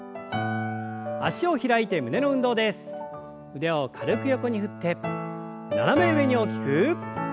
腕を軽く横に振って斜め上に大きく。